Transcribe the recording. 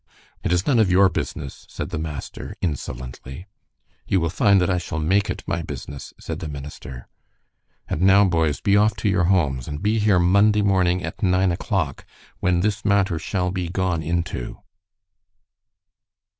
"It is none of your business," said the master, insolently. "You will find that I shall make it my business," said the minister. "And now, boys, be off to your homes, and be here Monday morning at nine o'clock, when this matter shall be gone into."